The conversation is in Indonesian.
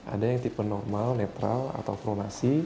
ada yang tipe normal netral atau pronasi